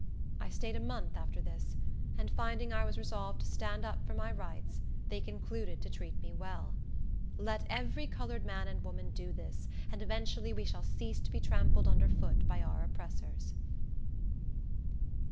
I staid a month after this, and finding I was resolved to stand up for my rights, they concluded to treat me well. Let every colored man and woman do this, and eventually we shall cease to be trampled under foot by our oppressors.